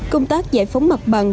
công tác giải phóng mặt bằng